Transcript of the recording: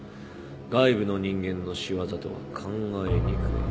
外部の人間の仕業とは考えにくい。